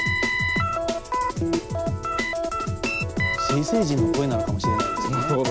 水星人の声なのかもしれないですね。